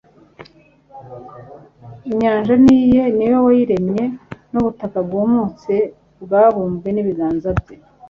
inyanja ni iye, ni we wayiremye, n'ubutaka bwumutse bwabumbwe n'ibiganza bye